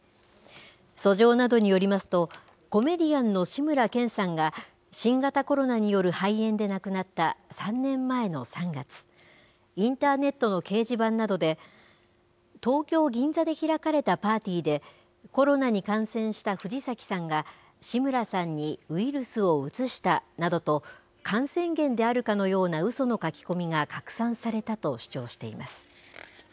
訴状などによりますと、コメディアンの志村けんさんが、新型コロナによる肺炎で亡くなった３年前の３月、インターネットの掲示板などで、東京・銀座で開かれたパーティーで、コロナに感染した藤崎さんが志村さんにウイルスをうつしたなどと、感染源であるかのようなうその書き込みが拡散されたと主張しています。